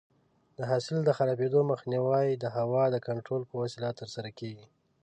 د حاصل د خرابېدو مخنیوی د هوا د کنټرول په وسیله ترسره کېږي.